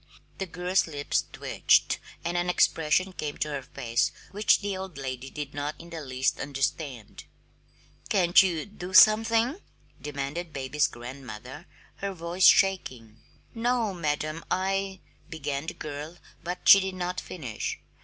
The girl's lips twitched and an expression came to her face which the little old lady did not in the least understand. "Can't you do something?" demanded baby's grandmother, her voice shaking. "No, madam. I " began the girl, but she did not finish.